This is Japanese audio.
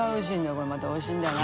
これまたおいしいんだよな。